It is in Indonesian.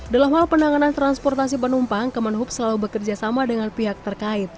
dalam hal penanganan transportasi penumpang kemenhub selalu bekerja sama dengan pihak terkait